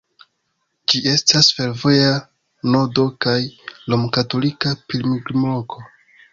Ĝi estas fervoja nodo kaj romkatolika pilgrimloko.